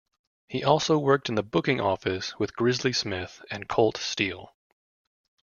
He also worked in the booking office with Grizzly Smith and Colt Steel.